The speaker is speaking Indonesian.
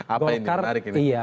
apa yang menarik ini